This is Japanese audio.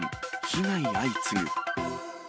被害相次ぐ。